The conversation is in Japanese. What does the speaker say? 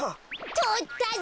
とったぞ！